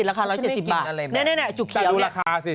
ราคา๑๗๐บาทนี่จุเกียวเนี่ย